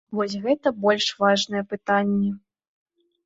Вось гэта больш важныя пытанні.